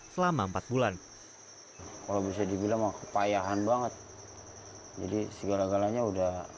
selama empat bulan kalau bisa dibilang kepayahan banget jadi segala galanya udah